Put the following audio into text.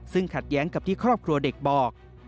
ซึ่งขัดแย้งกับที่ครอบครัวเด็กบอก